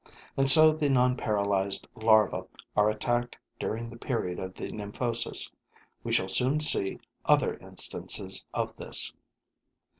And so the nonparalyzed larvae are attacked during the period of the nymphosis. We shall soon see other instances of this.